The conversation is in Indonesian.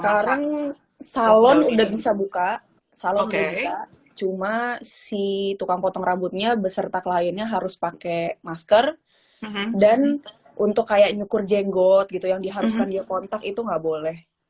karena salon udah bisa buka salon udah bisa cuma si tukang potong rambutnya beserta kliennya harus pakai masker dan untuk kayak nyukur jenggot gitu yang diharuskan dia kontak itu gak boleh